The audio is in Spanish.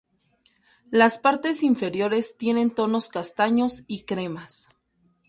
Las partes inferiores tienen tonos castaños y cremas.